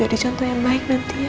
selalu jadi contoh yang baik nanti ya